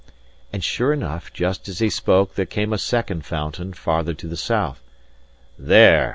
And sure enough, just as he spoke there came a second fountain farther to the south. "There!"